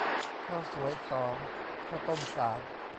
ข้าวสวยสอง ข้าวต้มสาม